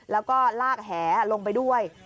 แล้วก็ลากแหลงไปด้วย